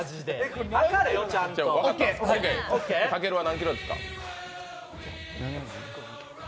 たけるは何ｋｇですか？